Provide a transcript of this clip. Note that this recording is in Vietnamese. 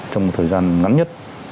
trong một thời gian ngắn nhất